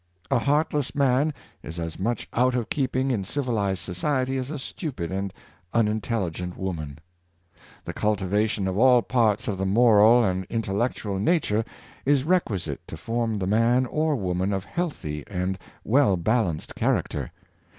A heartless man is as much out of keeping in civilized society as a stupid and unintelligent woman. The cul tivation of all parts of the moral and intellectual na ture is requisite to form the man or woman of healthy and well balanced character.